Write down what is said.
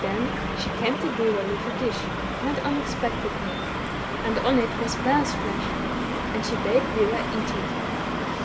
Then she came to Bera with a dish, quite unexpectedly, and on it was bear's flesh, and she bade Bera eat it.